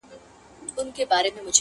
جهاني چي پکښي ستایي مرکې د شمله ورو؛